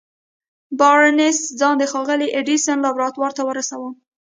بارنس ځان د ښاغلي ايډېسن لابراتوار ته ورساوه.